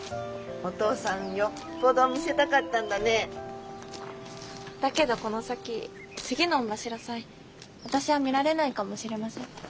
お父さんよっぽど見せたかったんだね。だけどこの先次の御柱祭私は見られないかもしれません。